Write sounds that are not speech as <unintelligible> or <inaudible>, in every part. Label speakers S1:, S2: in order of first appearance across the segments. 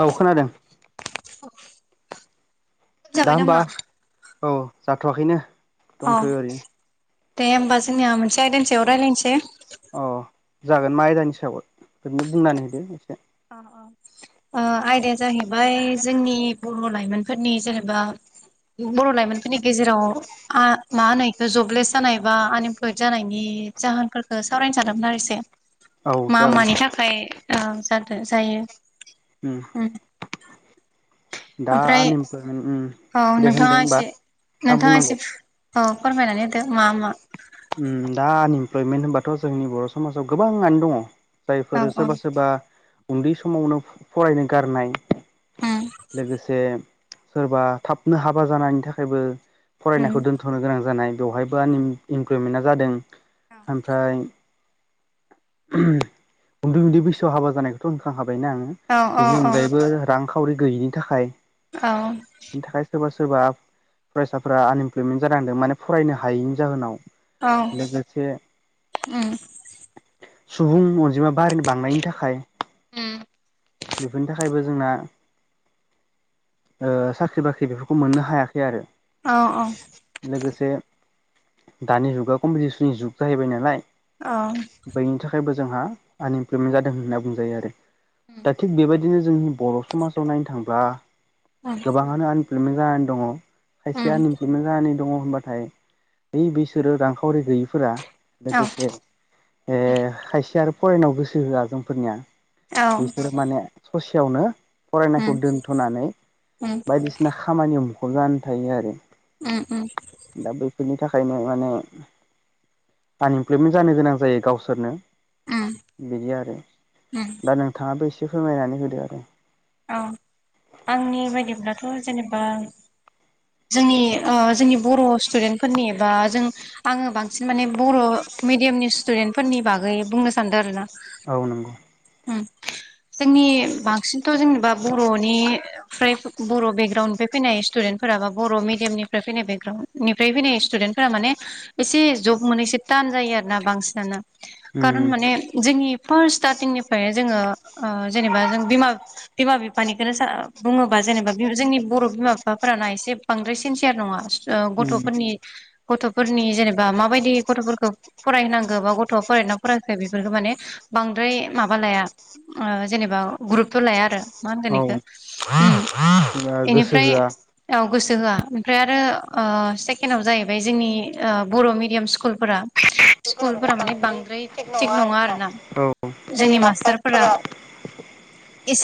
S1: औ खोनादों।
S2: जाबाय नामा?
S1: औ जाथ'वाखैनो।
S2: औ दे होमबा जोंनिया मोनसे आयदानि सयाव रायज्लायनोसै।
S1: अ' जागोन मा आयदानि सायावाय ओरैनो बुंनानै होदो एसे
S2: ओ आयदाया जाहैबाय जोंनि बर' लाइमोनफोरनि जेनेबा बर' लाइमोनफोरनि गेजेराव आ मा होनो बेखौ जबलेस जानाय बा आनइमप्लयद जानायनि जाहोनफोरखौ सावरायनो सानदोंमोन आरो इसे मा मानि थाखाय औ जादों जायो।
S1: उम।
S2: ओमफ्राय औ नोंथाङा एसे नोंथाङा एसे औ। फोरमायनानै होदो मा मा
S1: उम दा आनइमप्लयमेन्ट होनबाथ' जोंनि बर' समाजाव गोबाङानो दङ' जायफोर सोरबा सोरबा उन्दै समावनो फरायनो गारनाय लोगोसे सोरबा थाबनो हाबा जानायनि थाखायबो फरायनायखौ दोनथ'नो गोनां जानाय बेवहायबो इमप्लयमेन्टआ जादों। ओमफ्राय उन्दै उन्दै बैसोआव हाबा जानायखौथ' होनखां खा बायना आङो बेनि अनगायैबो रांखावरि गैयैनि थाखाय
S2: औ।
S1: सोरबा फरायसाफोरा आनइमप्लयमेन्ट जानांदों माने फरायनो हायैनि जाहोनाव लोगोसे सुबुं अनजिमा बार बांनायनि थाखाय बेफोरनि थाखायबो जोंना ओ साख्रि बाख्रि बेफोरखौ मोननो हायाखै आरो लोगोसे दानि जुगा कम्पिटिसननि जुग जाहैबाय नालाय बैनि थाखायबो जोंहा आनइमप्लयमेन्ट जादों होनना बुंजायो आरो दा थिग बेबायदि बिदिनो जोंनि बर' समाजाव नायनो थांब्ला गोबाङानो आनइमप्लिमेन्ट जानानै दङ' खायसे आनइमप्लयमेन्ट जानानै दङ' होनबाथाय बै बैसोरो रांखावरि गैयिफोरा लोगोसे खायसे आरो फरायनायाव गोसो होआ जोंफोरनिया बिसोरो माने ससेयावनो फरायनायखौ दोनथ'नानै बायदिसिना खामानियाव मुखुब जानानै थायो आरो
S2: उम उम।
S1: ओंखायनो माने आनइमप्लयमेन्ट जानो गोनां जायो गावसोरनो। बिदि आरो दा नोंथाङाबो एसे फोरमायनानै होदो आरो
S2: औ आंनि बायदिब्लाथ' जेनेबा जोंनि जोंनि बर' स्टुडेन्टफोरनि बा जों आङो बांसिन माने बर' मिडियामनि स्टुडेन्ट फोरनि बागै बुंनो सानदों आरो ना
S1: औ नंगौ।
S2: उम जोंनि बांसिनथ' जेनेबा बर'निफ्राय बर' बेकग्राउन्डनिफ्राय फैनाय स्टुडेन्टफोरा बा बर' मिडियामनिफ्राय फैनाय बेकग्राउन्डनिफ्राय फैनाय स्टुडेन्टफोरा माने एसे जब मोनै एसे थान जायो आरो ना बांसिनानो खारन माने जोंनि फारस्ट सिटारटिंनि फाय जोङो जेनेबा जों बिमा बिमा बिफानिखौनो सा बुङोबा जेनेबा जोंनि बर' बिमा बिफाफोराना एसे बांद्राय सिनसियार नङा गथ'फोरनि गथ'फोरनि जेनेबा माबायदि गथ'फोरखौ फराय होनांगौ बा गथ' फरायना फरायखो बेफोरखौ माने बांद्राय माबा लाया जेनेबा गुरुथ' लाया आरो मा होनगोन बेखौ बेनिफ्राय औ। गोसो होआ ओमफ्राय आरो सेकेणडआव जाहैबाय जोंनि बर' मिडियाम स्कुलफोरा
S1: माने बांद्राय थिग नङा आरो औ। जोंनि मास्टारफोरा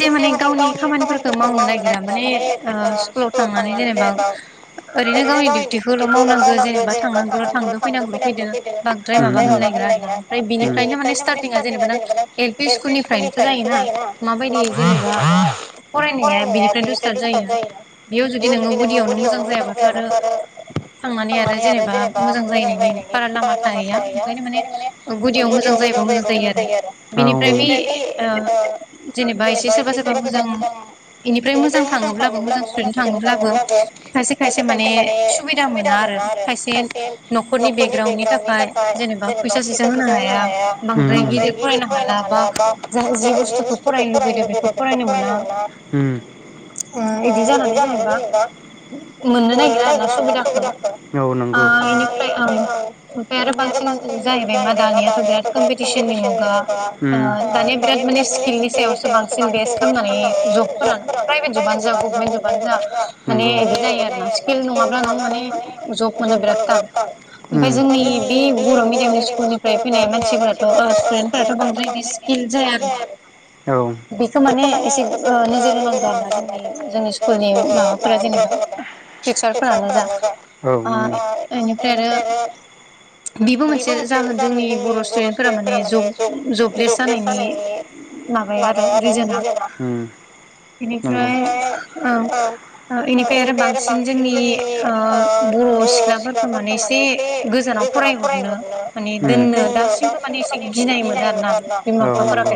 S1: एसे माने गावनि खामानिफोरखौ मावनो नागिरा माने स्कुलाव थांनानै जेनेबा ओरैनो गावनि डिउटिखौल' मावनांगौ जेनेबा थांनांगौल' थांदो फैनांगौल' फैदो। माबा होनलाय बेनिफ्रायनो माने सारा जेनेबा ना। एल पि स्कुलनिफ्रायथ' जायोना मा बुंगोन जेनेबा। फरायनाया बिनिफ्रायथ' सिथारथ जायोना बेयाव जुदि नोङो बुदियावनो मोजां फैयाबा आरो थांनानै आरो जेनेबा मोजां जाहैनायनि राहा लामा थाहैया ओंखायनो माने गुदियाव मोजां जायोबा मोजां जायो आरो औ नंगौ बेनिफ्राय बे जेनबा एसे सोरबा सोरबा मोजां बेनिफ्राय मोजां थाङोब्लाबो मोजां स्टुदेन्ट थाङोब्लाबो खायसे खायसे माने सुबिदा मोनो ना आरो खायसे न'खरनि बेकग्राउनि थाखाय जेनेबा फैसा सै सा होनो हाया बांद्राय गिदिर फरायनो‌। हाला बा जों जि बुसथुखौ फरायनो लुबैदों बेखौ फरायनो मोना‌ ओ ओ बिदिनो जागोन जेनेबा। मोननो नायगिरा आरोना सुबिदाखो औ नोंगौ ओ बिनिफ्राय औ। बे आरो बांसिन जाहैबायना।
S2: कमपिटिसननि मुगा ओ दानिया बिराद माने स्किलनि सायावसो बांसिन बेस्ट खालामनानै जबफोरानो प्राइभेट जबानो जा गभमेन्ट जबानो जा माने बिदि जायो आरो ना स्किल नङाब्ला नों माने जब मोनो बिरादथान ओमफफ्राय जोंनि बे बर' मिडियामनि स्कुलनिफ्राय फैनाय मानसिफोराथ'ओ स्टुडेन्टफोराथ' बांद्राय स्किल जाय आरो ना बेखौ माने एसे ओ नोजोर होनांगौ आरो ना जोंनि जोंनि स्कुलनि माबाफोरा जेनेबा। टिचार फोरानो जा ओ इनिफ्राय आरो बेबो मोनसे जाहोन।
S1: जोंनि बर' स्टुडेन फोरा माने जौ जबलेस जानायनि माबाया आरो रिजोन नोंगौ इनिफ्राय औ। ओ इनिफ्राय आरो बांसिन जोंनि ओ बर' सिख्लाफोरफोरखो माने एसे गोजानाव फरायहरनो माने दोननो दासिमबो माने एसे गिनाय मोनो आरोना औ नंगौ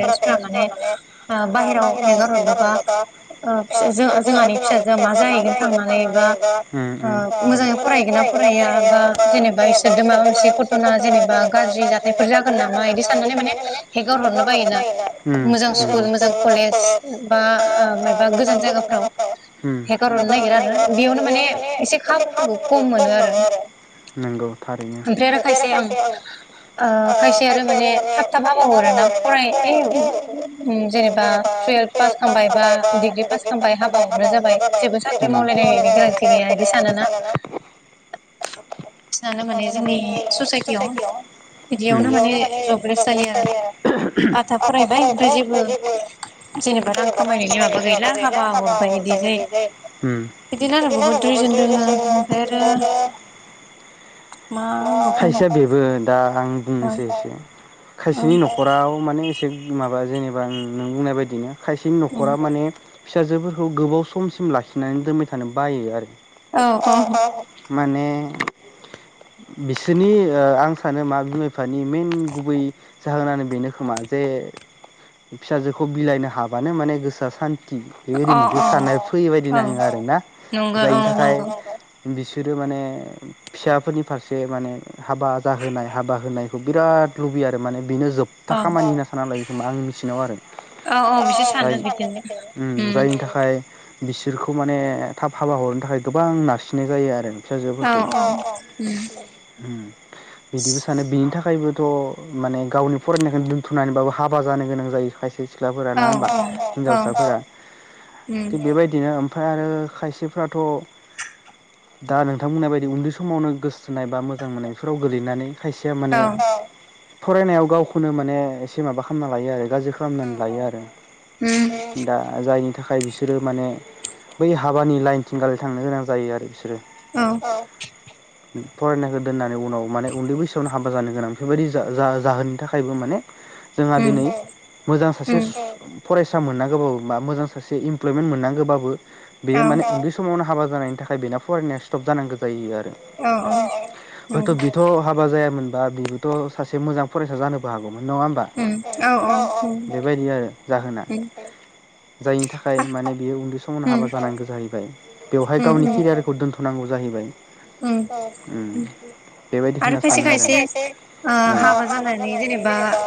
S1: <unintelligible> <unintelligible> <unintelligible> बा गाज्रि जाथायफोर जागोना नामा इदि साननानै माने <unintelligible> <unintelligible> नंगौ थारैनोस बिदि आरो औ खायसे आरो माने <unintelligible> <unintelligible> <unintelligible> यावनो बेया‌वनो <unintelligible> <unintelligible> जेनबा रां खामायनायनि माबा गैला हाबा हरबाय बिदि जायो। <unintelligible>
S2: मा होनबावगोन।
S1: बो दा आं बुंनोसै एसे खायसेनि न'खराव माने एसे माबा जेनेबा उम आं नों बुंनाय बायदिनो खायसेनि न'खरा माने फिसाजोफोरखौ गोबाव समसिम लाखिनानै दोनबाय थानो बायो आरो। माने बिसोनि ओ आं सानो मा बिमा बिफानि मेन गुबै जाहोनानो बेनो खोमा जे फिसाजोखौ बिलाइनो हाबानो माने गोसोआ सान बेबायदि मोनसे साननाय फैय बायदि नाङो आरोना। जायनि थाखाय बि सोरो माने फिसाफोरनि फारसे माने हाबा जाहोनाय हाबा होनायखौ बिराद लुबैयो आरो माने बेनो जोबथा खामानि होनना सान लायोबा आं मिथिनायाव आरो। जायनि थाखाय बिसोरखौ माने थाब हाबा हरनो थाखाय गोबां नारसिननाय जायो आरो। फिसाजोफोरखौ। उम बिदिबो सानो बिनि थाखायबो थ' माने गावनि फरायनायखोनो दोन्थनानैबाबो हाबा जानो गोनां जायो खायसे सिख्लाफोरा। नङा होमबा? हिनजावसाफोरा थिग बेबायदिनो ओमफ्राय आरो खायसेफ्राथ' दा नोंथां बुंनाय बायदि उन्दै समावनो गोसथोनाय बा मो जां मोननायफोराव गोलैनानै खायसेया माने फरायनायाव गावखौनो माने एसे माबा खालामना लायो आरो गाज्रि खालामनानै लायो आरो। दा जायनि थाखाय थाखाय बिसोरो माने बै हाबानि लाइनथिंगाल थांनो गोनां जायो आरो बिसोरो। फरायनायखो दोननानै उनाव माने उन्दै बैसोआवनो हाबा जानो गोनां बेफोरबायदि जा-जा-जाहोननि थाखायबो माने जोंहा दिनै मोजां सासे फरायसा मोननांगौबाबो बा मोजां सासे इमप्लयमेन्ट मोननांगौबाबो बेयो माने उन्दै समावनो हाबा जानायनि थाखाय बिथां फरायनाया स्टप जानांगौ जायो आरो। हयथ' बिथ' हाबा जायामोनबा बिबोथ' सासे मोजां फरायसा जानोबो हागौमोन। नङा होमबा? बेबायदि आरो जाहोना। जायनि थाखाय माने बियो उन्दै समाव हाबा जानांगो जाहैबाय। बेवहाय औ औ गावनि केरियारखौ दोनथ' नांगौ जाहैबाय। उम बेबायदि होनना सानो। ओ हाबा जानानै जेनेबा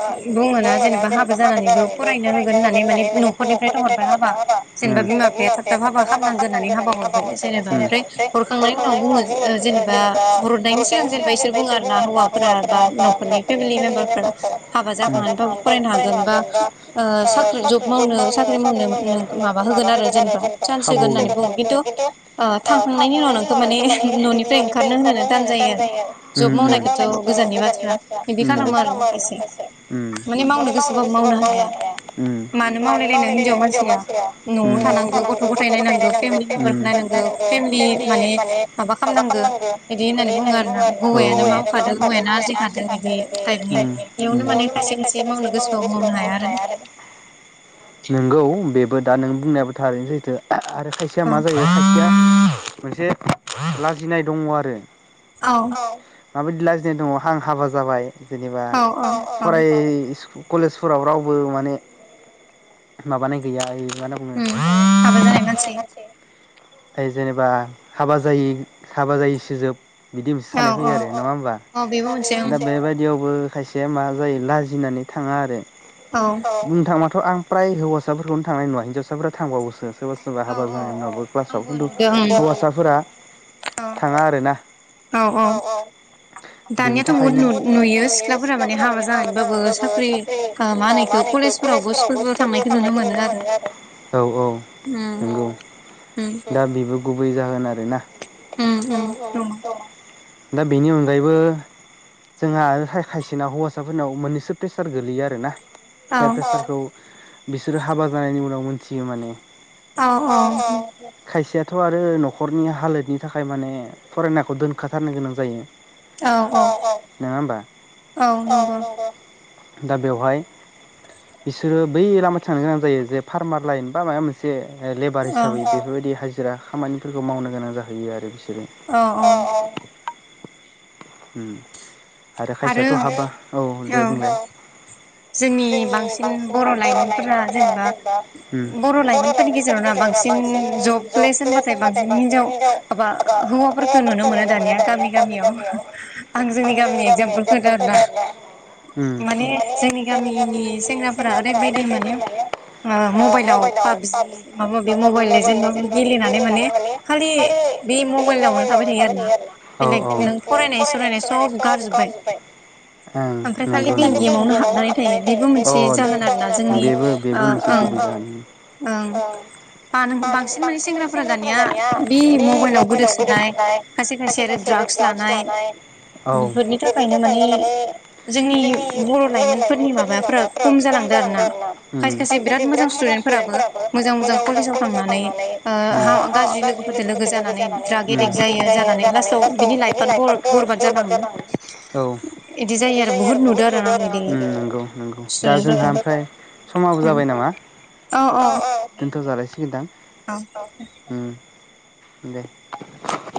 S1: बुङोना जेनेबा हाबा जानानैबो फरायनो होगोन होननानै उम उम। ओमफ्राय हरखांनायनि उनाव जोंओ जेनेबा हरदनायनि सिगां जेनोबा इसोर बुंओ आरोना हौआ फोरा बा हौआ फोरनि फेमिलि मेम्बारफोरा हाबा जाखांनायनि फरायनो हागोन बा ओ साख्रि जब मावनो साख्रि मावनो माबा होगोन आरो जेनेबा खाबु उम उम उम उम। उम उम। गथ' गथाय नायनांगौ फेमेलिखौबो नायनांगौ फेमेलि माने
S2: खामनांगो बिदि
S1: औ उम उम। नोंगौ बे बो दा नों बुंनायाबो थारैनो सैथो। आ-आरो खायसेया मा जायो खायसेया मोनसे लाजिनाय दङ आरो। माबायदि लाजिनाय दङ हां हाबा जाबाय जेनेबा फराय स कलेजफोराव रावबो माने माबानाय गैया मा होनना बुङो <inaudible> ओ जेनेबा हाबा जायि हाबा जायिसोजोब बिदि मोनसे सानाय फैयो आरो। नङा होमबा? दा बेबायदियावबो मायसेया मा जायो लाजिनानै थाङा आरो। बुंनो थांबाथ' आं फ्राय हौवासाफोरखौनो थांनाय नुवा हिनजावसाफोरा थांबावोसो। सोरबा सोरबा हाबा जानाय उनावबो क्लासाव। खिन्थु हौवासाफोरा थाङा आरोना औ औ बेनि थाखायनो औ औ नोंगौ दा बेबो गुबै जाहोन आरोना
S2: उम उम उम
S1: दा बेनि अनगायैबो जोंहा ओखाय खायसेना हौवासाफोरनाव मोननैसो प्रेसार गोलैयो आर ना जाय प्रेसारखौ अ बिसोरो हाबा जानायनि उनाव मोनथियो माने खायसेयाथ' आरो न'खरनि हालोदनि थाखाय माने फरायनायखौ दोनखाथारनो गोनां जायो नङा होमबा दा बेवहाय बिसोरो बै लामाथि थांनो गोनां जायो जे फार्मार लाइन बा माबा मोनसे ओ लेबार हिसाबै अ बेफोरबायदि हाजिरा खामानिफोरखौ मावनो गोनां जाहैयो आरो बिसोरो
S2: औ
S1: होम आरो खायसेयाथ' हाबा औ दे बुंलाय उम <unintelligible> फोरखौ नुनो मोनो दानिया गामि गामियाव आं जोंनि गामिनि एगजामपोलखौ होबाय आरोना। उम
S2: जोंनि गामिनि सेंग्राफोरा ओरैबायदि माने मबाइलाव पाबजि माबा माबि मबाइल लेजेन गेलेनानै माने खालि बे मबाइलावनो थाबाय थायो यो आरोना बेलेग नों फरायनाय सरायनाय सब गारजोबबाय। ओमफ्राय खालि बे गेमावावनो हाब नानै थायो बेबो मोनसे जाहोन आरोना जोंनि ओ ओं ओं
S1: <unintelligible> औ <unintelligible> उम उम उम औ उम नोंगौ नोंगौ जोंना आमफ्राय समाबो जाबाय नामा दोनथ' जालायसिगोनदां उम दे